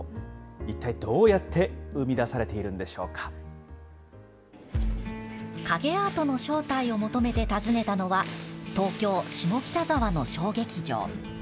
一体どうやって生み出されている影アートの正体を求めて訪ねたのは、東京・下北沢の小劇場。